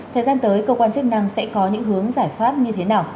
thời gian tới cơ quan chức năng sẽ có những hướng giải pháp như thế nào